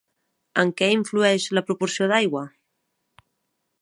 En què influeix la proporció d'aigua?